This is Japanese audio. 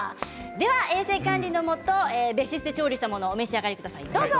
衛生管理のもと別室で調理したものを召し上がりください。